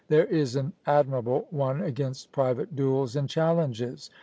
There is an admirable one against private duels and challenges.